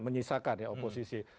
menyisakan ya oposisi